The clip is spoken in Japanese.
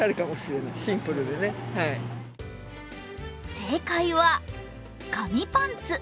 正解は紙パンツ。